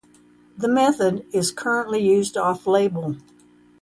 The method is currently used off-label.